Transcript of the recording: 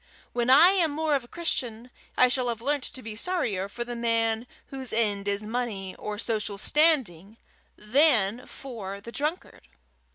When I am more of a Christian, I shall have learnt to be sorrier for the man whose end is money or social standing than for the drunkard.